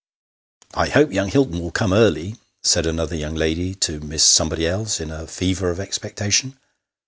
" I hope young Hilton will come early," said another young lady to Miss somebody else, in a fever of expectation.